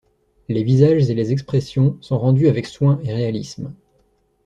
Les visages et les expressions sont rendues avec soin et réalisme.